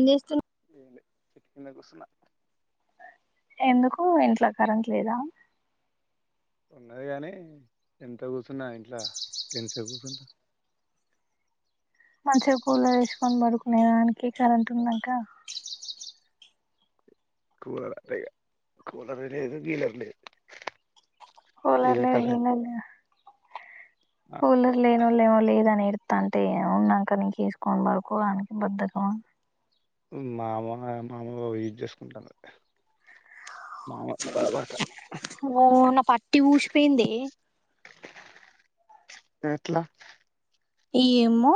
Is అయితే ఇ ఈడే కుసన్నా ఎందుకు ఇంట్లో కరెంట్ లేదా ఉన్నది కాగాని ఎంత కూర్చున్నా ఇంట్లో ఎంతంత కూర్చుంటా మంచిగా కూలర్ వేసుకొని పడుకునే దానికి కరెంట్ ఉన్నాక కూలర్ అంట కూలరు లే లేదు కీలర్ లే లేదు కోల ఇదే లే కథ ఏన లే ఫల్ర్లేనో లే లేదానేే కొత్త అంటే ఏ ఉన్నాక ఇంకసుకొని మడుకోవడానికి బధకమా మా అమ మామ బాబు వెయిట్ చేసుకుంటాను మామ బాధపడతా ఓ నా పట్టి ఊసిపోయింది ఎట్లా ఏమో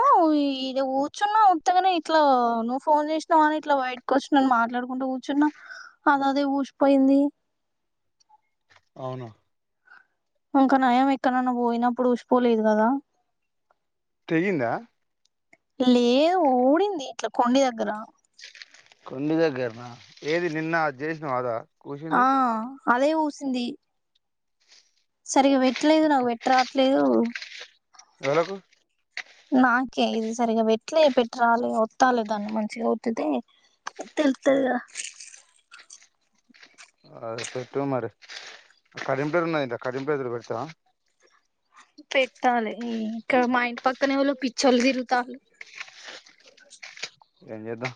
ఇద కూర్చున్నా వంతగానే ఇట్లా నువ్వు ఫోన్ చేసినా అని ఇట్లా బయటకు వచ్చన్నాని మాట్లాడుకుంటూ కూర్చున్నా అద అదే ఊసిపోయింది అవును ఇంకా నయం ఎక్కడన్న పోయినప్పుడు ఊసిపోలేదు కదా తెగిందా లేదు ఊడింది ఇట్లా కొడి దగ్గర కుండ ద గర్నా ఏది నిన్న జ్యసిన అదా కూసింది ఆ అదే ఊసింది సరిగ్గా పెట్టలేదు నాకు పెట్ రాట్లేదు ఎకు నాకే ఇది సరిగా పెట్లే పెట్టరాలి వత్తాలి దాన్ని మంచిగా ఒత్తితే తెలుతుందిగా అ చట్ మరి కరీంటరున్నా కడింపు ఎదురు పెతా పెట్టాలి ఇంకా మా ఇంటి పక్కనే వాళ్ళు పిచ్చలు తిరుగుతారు ఎంజేద్దా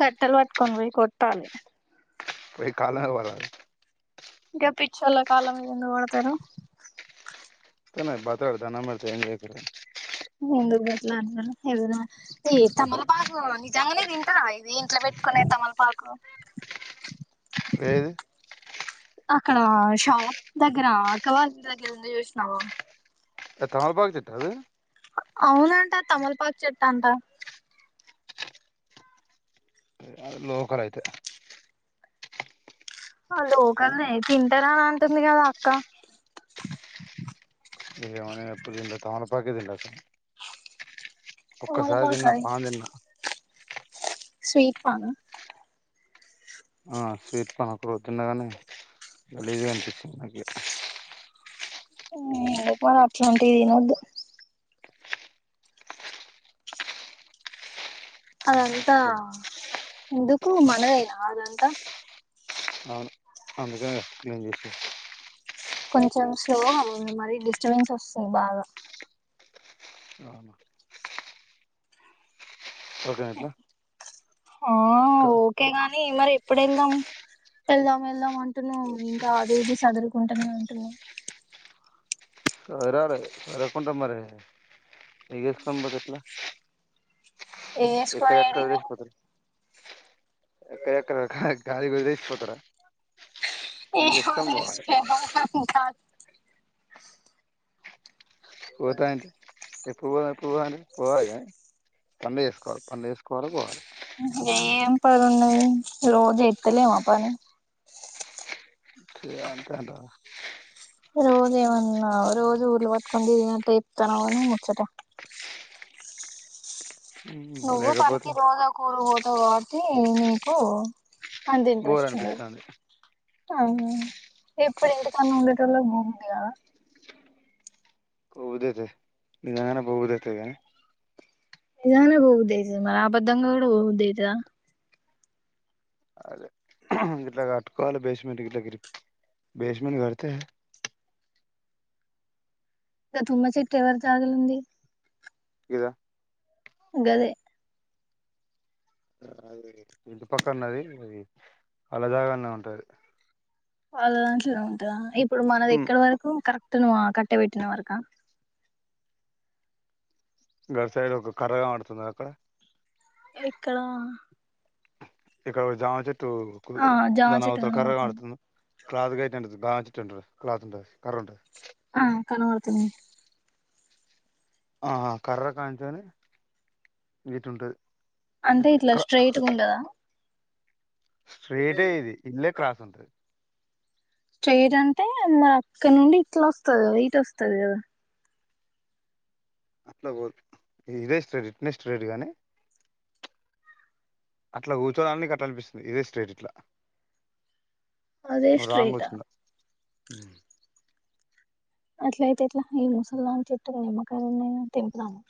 కట్టల్ వట్కనీ కొతాలి పోయి కాలవాల గ పిచోళ్లు కాల మీద ఎందుకు వడుతారు తనే బత దండం పెడుతే ముందుకు బట్ల అంట ఎదనా ఈ తమలపాకు నిజంగానే తింటారా ఇది ఇంట్లో వెట్టుకునే తమలపాకు ఏది అక్కడ షాప్ దగ్గర అక్క వాళ్ల ఇంటి దగ్గర ఉంది చూసినావా త తమలపాకు చెట్టా అది అవునంట తమలపాకు చెట్ అంట అ లోకల్ అయితే ఆ లోకల్నే తింటారా అని అంటుంది గదా అక్క ఇగ ఏమో నేనెప్పుడూ తినలే తమలపాకే తినలే అసలు ఒక్కసారి తమలపాకు దిన్నా అది పాన్ దిన్నా స్వీట్ పాన్ నా ఆ స్వీట్ పాన్ ఒకరోజు తిన్న గానీ గలీజ్ గా అనిపించింది నాకి ఉ ఎందుకు మరి అట్లాంటివి తినొద్దు అదంతా ఎందుకు మనదైనా అదంతా అవును అందుకే గదా ఏం చేసు కొంచెం స్లోగా ఉన్ మరి డిస్టబెన్స్ వస్తుంది బాగా అవును ఓకే నా ఇట్లా ఆ ఓకే గన్ నీ మరి ఎప్పుడు వెళ్దాం వెళ్దాం వెళ్దాం అంటున్నావు ఇంకా అది ఇది సదురుకుంటానే ఉంటున్నావు సర రే సదురుకుంటా మరి ఇగ ఏసుకొని బోతే ఎట్లా ఏసుకో ఎక్కడెక్కడ ఏడికి వేయినా వదిలేసిపోతారు ఎక్కడెక్కడ కా గాలి కుదిరింది పోతార ఏహ ఏస్ ఏహ హ ఉన్ కాన్ పోత ఆంటీ ఎప్పు వోదాం పోవని పోవాగా పనులే చేసుకోవాలి పనులు చేసుకోవాలి పోవాలి ఏం పనున్నది రోజు చేస్తలేమా పని ఇగ అంతే అంటావా రోజు ఏవన్నా రోజు ఊర్లు వట్టుకొని తిరిగి నట్టే చెప్పుతానావు నువ్ ముచ్చట నువ్వు పన్కి లేకపోతే పొంగ ఒక ఊరు పోతావ్ కావచ్ టి నీకు అంత బోర్ ఇంట్రెస్ట్ ఉండదు అనిపిత్తాంది ఉమ్ ఎప్పుడు ఇంటికాడ్నే ఉండేటోళ్ళకి పోబుద్ధి కాదా పోవుదైతై నిజంగానే పోవుదేతాది కానే నిజంగనే పోబుద్ధి అయితది మరి ఆబద్ధంగా కూడా పోబుద్ధి అయితదా అదే ఇట్లా అట్కోవాలి బేస్మెట్ గిట్ల గిరి బేస్మెట్ కడితే గ తుమ్మ చెట్టు ఎవరి జాగాలో ఉంది ఇద గదే అది ఇంటి పక్క ఉన్నది అది ఆళ్ల జాగానే ఉంటుది వాళ్ల దాంట్లోనే ఉంటదా ఇప్ ఇప్పుడు మనది ఎక్కడ వరకు కరక్ తును ఆకట్టే వెట్టిన వరక గ సైడ్ ఒక కర్ర గన్పాడ్తుంద అక్కడ ఎక్కడా ఇక్కడ ఒక జామ చెట్ టూ ఆ జామ దాన్ చెట్టు అవతల కర్ర కనబడుతుంది గాన్పడ్తుంద క్లాతు గట్నట్ టున్టది క్లాత్ ఉంటది కర్ర ఉంటది ఆ కనవడ్తుంది ఆ కర్ర కంచని వీట్ ఉంటది అంటే ఇట్లా స్ట్రైట్ గా ఉండదా స్ట్రేటే ఇది ఇల్లే క్రాస్ ఉంటది చేయడంటే న అక్నుండి ఇట్లా వస్తుంది కదా ఇటు వస్తది కదా అట్లా వొదు ఇదే స్ట్రైట్ ఇట్నే స్ట్రేట్ గానీ అట్లా కూర్చోడానికి అట్లా అనిపిస్తుంది ఇదే స్ట్రైట్ ఇట్లా అదే స్ట్రైట్ ఆ ఉమ్ అట్ల అయితే ఏట్లా ఈ ముసల్ దాన్ని చెట్టుకు నిమ్మకాయలు ఉన్నాయి తెంపుదామా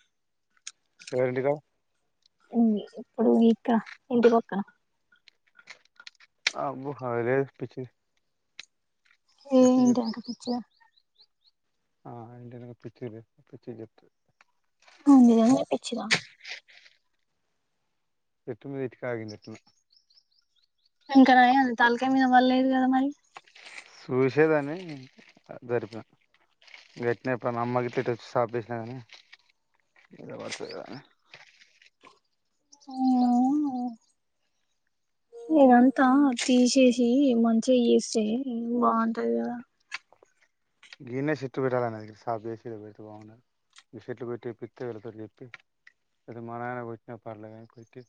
ఎవర్ఇంటిగ ఇమ్మి ఇప్పుడు మీకా ఇంటి పక్కన ఆ అబ్బు హారెర్ పిచ్చి ఏ పిచ్చి చెప్తు ఇంటెంకక్ ఒచ్చిన ఆ అంటేనే అమక్ పిచ్చిది పిచ్చి చెప్పుత అంది గది పిచ్చి దా ఎట్టు మీద్ ఇటుక ఆగింది ఎట్లానో ఇంకా నాయ్యం తలకాయ మీద వడలేదు కదా మరి సుశే దాన్ని జరిపిన వెట్నప్ ప మా అమ్మ గిట్లే ఎట సాప్ చేసిన గాని మీద పడుతది గదా ఆ హ ఇదంతా తీసేసి మంచిగా చేస్తే బాగుంటది కదా గీన్నే చెట్టు పెట్టాలి అనేది సావ్ చేసి ఇడ వెడితే బాగుఉంటది. ఈ చెట్లు పెట్టి పిత్త వెళ్ళతో చెప్పి అతే వాన గాన కొట్నాప్డల్ల కొట్టి.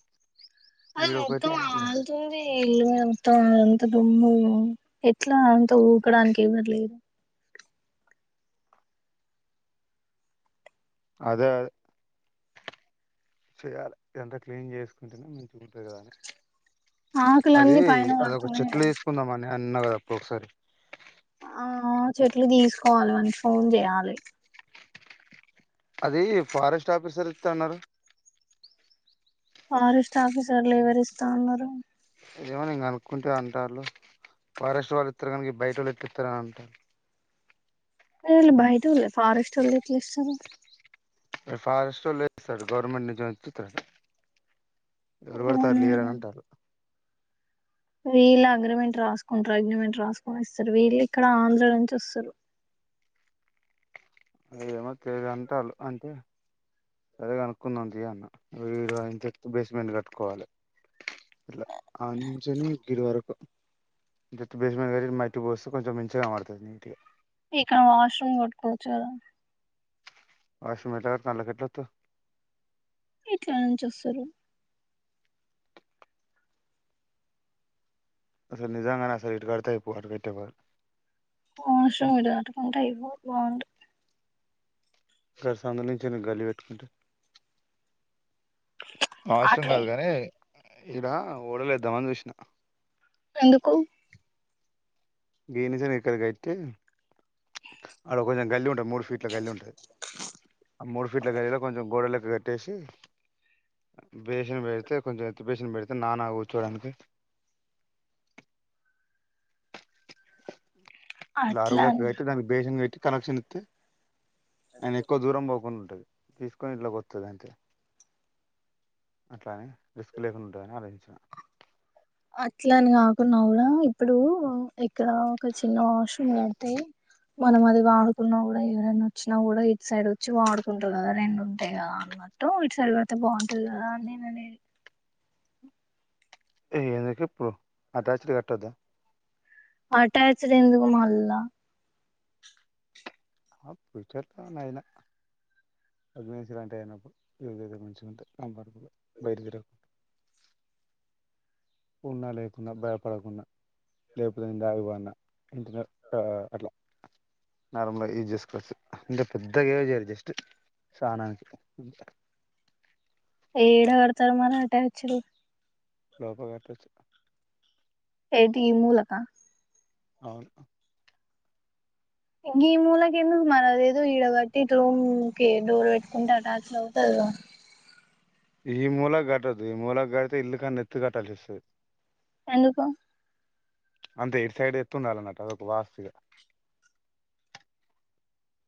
అది ఈడొకటి మొత్తం అలుతుంది ఇల్లు అంత అంతదుమ్ము ఎట్లా అంత ఊకడానికి ఎవ్వరులేరు అదేఅదే చేయాలి ఎంత క్లీన్ చేసుకుంటేనే మంచిగా ఉంటంది కదా ఆకులన్నీ పైన వడుతున్నాయిగా అన్నావు గదా అప్పుడు ఒకసారి ఆ చెట్లు తీసుకోవాలి వానికి ఫోన్ చేయాలి. అది ఫారెస్ట్ ఆఫీసర్ ఇత్త అన్నారు ఫారెస్ట్ ఆఫీసర్లు ఎవరు ఇస్తా అన్నారు ఏమో నేను కనుక్కుంటే అంటాలు ఫారెస్ట్ వాళ్ళు ఇత్తరుగాని గి బయట వోల్లు ఏట్లా ఇత్తరు అని అంటారు ఏ బయట వల్లే ఫారెస్ట్ వోల్లు ఎట్లా చేస్తారు. ఫారెస్ట్ లోళ్ళు లేస్తారు గవర్నమెంట్ నిం [unintelligible] ఎవరు వడతారు అట్లా ఇయ్యారు అంటారు వీళ్ళు అగ్రిమెంట్ రాసుకుంటారు అగ్రిమెంట్ రాసుకున ఇస్తారు వీళ్ళు ఇక్కడ ఆంధ్ర నుంచి వస్తారు. అయ్యమో [unintelligible] [unintelligible] అంటే సరే కనుక్కుందంది అన్నంత బేస్మెంట్ కట్టుకోవాలి ఇట్లా అంచ గడి వరకు ఇ చె బేస్మెంట్ కట్టి మట్టికి పోస్తే కొంచెం మంచిగా పడుతుంది నీట్గా ఇక్కడ వాష్రూమ్ కొట్టుకోవచ్చు కదా ఫాస్టుగా ఎట్ల కడుతున్నారు కట్టొద్దు ఇట్లా నుంచి వస్తారు అసలు నిజంగానే అసలు ఇటు కడతాయి పో అటుకట్టే బదులు ఆష్ర విద అటుకుంటే అయిపో బాగుంట గారి సంద నుంచిను గల్లి పెట్టుకుంటే అవసరం అటు కాదు కానీ ఇడా ఓడలేద్దామని చూసిన ఎందుకు గే నిజం ఎక్కడి గట్టతే అ ఒక జాం గల్లి ఉంటుంది మూడు ఫీట్ల గల్లి ఉుది ఆ మూడు ఫీట్ల గల్లో కొంచె గోడ ట్టేసి బేసిన పెడితే కొంచెం ఎత్ బేసిన పెడితే నానా కూర్చోడానికి. అట్లానా బేషన్ వెట్టి కలెక్షక్షన్ ఇత్తెయి ఆయన ఎక్కువ దూరం పోకుండా ఉంటడు తీసుకొని ఇంట్లోకి వస్తుంది అంటే అట్లాని రిస్క్ లేకుంండుందని ఆలోచిస్తున్న అట్ల అని కాకున్నా కూడా ఇప్పుడు ఇక్కడ ఒక చిన్న వాష్రూమ్ కడితే మనం అది వాడుకున్నా కూడా ఎవరైనా వచ్చినా కూడా ఇటు సైడ్ వచ్చి వాడుకుంటు కదా రెండు ఉంటాయి కదా అన్నట్టు ఇటు సైడ్ పడితే బాగుంటది కదా నేను అనేది ఎందుక ఇప్పుడు అటాచడ్ కట్టద్దా అటాచ్డ్ ఎందుకు మళ్ళా ఫ్యూచర్తో అయినా అగ్నేంచి లాంటి అయినప్పుడు్గర మంచిుకుంటే పరకు బయలుదేరగకు ఉన్నా లేకుడా భయపడకుండా లేకపోతే ఇ దాగివాన ఇంటనే అట్లా నార్మల్గా యూజ్ చేసుకోవచ్చు అంటే పెద్దగా చేయరు జస్ట్ స్నానానికి ఏడా కడతారు మరి అటచ్చలు లోప కట్టొచ్చు ఏంటి ఈ మూలక అవును ఇ ఈ మూలకి ఎందుకు మన ఏదో ఈడ కట్టి ఇ రూమ్ కి డోర్ పెట్టుకుంటే అటాచ్లు అవుతుంది ఈ మూలా కట్టదు ఈ మూలాకి గడితే ఇల్లు కానీ నెత్తు కట్టాల్సిస్తుంది ఎందుకు అంతే ఇటు సైడ్ ఎత్తుండాల నాకు అదొక వాస్తు ఇగ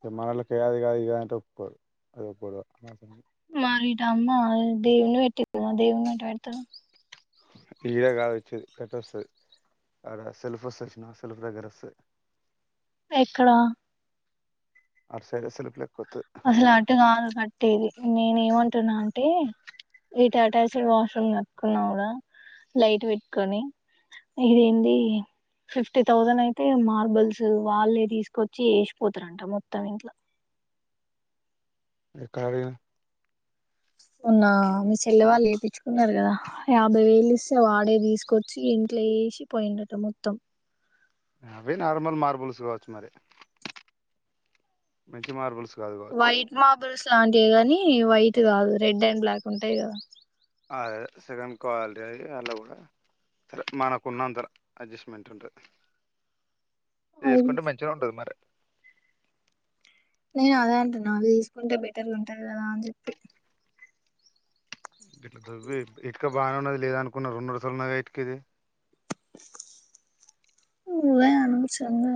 ఇగ మనోళ్లకి అది కాద్ ఇది కాద్ తప్పదు అదే కదా మారిటా అమ్మా దేవుదేవున్ని పెట్టిర్రు కదా దేవున్ని ఎట్ట పెడతారు ఈదే కాదు వచ్చేది క కస్తాది అక్కడ సల్ఫ [unintelligible] సెల్ఫ్ దగర వస్తాయి ఎక్కడ అటుసైడ్ సెల్ఫ్లే కొత్తది అసలు అటు కాదు కట్టేది నేను ఏమంటున్నా అంటే ఇటు అటాచ్డ్ వాష్రూమ్ కట్టుకున్నావ్ కుడా లైట్ పెట్టుకొని ఇదిేంటి ఫిఫ్టీ థౌజండ్ అయితే మార్బల్స్ వాళ్ళే తీసుకొచ్చి వేసిపోతారంట మొత్తం ఇంట్లో ఎక్కడ అడిగావ్ మోన్నా మీ చెల్లె వాళ్ళు ఎపిచ్చుకున్నారు కదా యాభై వేలు ఇస్తే వాడే తీసుకొచ్చి ఇంట్లో వేసి పోయిండట మొత్తం అవే నార్మల్ మార్బుల్స్ కావచ్చు మరి మంచి మార్బుల్స్ కాదు కావచ్చు వైట్ మార్బుల్స్ లాంటివి కానీ [unintelligible] వైట్ కాదు రెడ్ అండ్ బ్లాక్ ఉంటాయి కదా అదే సెకండ్ క్వాలిటీ అవి అలా కూడా సరే మనకు ఉన్నంత అడ్జస్ట్మెంట్ ఉంటుంది అవి చేసుకుంటే మంచిగా ఉంటది మరి నేను అదే అంటున్న అవి తీసుకుంటే బెటర్గా ఉంటది కదా అని చెప్పి ఇట్లా దువ్వి ఇట్ బాగాన్నది లేదానుకో న్న రెండు రసలునగా ఇటుకేది దే అనుించంగా